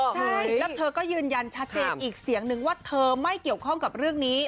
ใช่แล้วเธอก็ยืนยันชัดเจนอีกเสียงนึงว่าเธอไม่เกี่ยวข้องกับเรื่องนี้